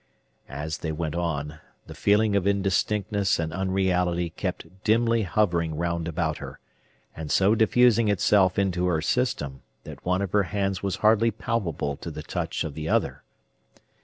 As they went on, the feeling of indistinctness and unreality kept dimly hovering round about her, and so diffusing itself into her system that one of her hands was hardly palpable to the touch of the other.